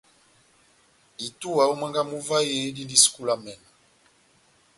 Itúwa ó mwángá mú vahe dindi sukulu ya emɛnɔ.